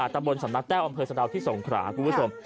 ตำบลสำนักแต้วอำเภอสะดาวที่สงขราคุณผู้ชม